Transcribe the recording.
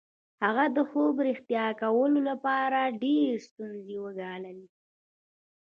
هغه د خوب رښتیا کولو لپاره ډېرې ستونزې وګاللې